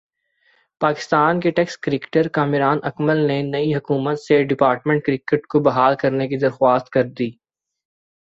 پاکستان کے ٹیسٹ کرکٹرکامران اکمل نے نئی حکومت سے ڈپارٹمنٹ کرکٹ کو بحال کرنے کی درخواست کردی۔